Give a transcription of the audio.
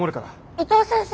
伊藤先生！